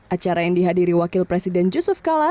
acara yang dihadiri wakil presiden yusuf kala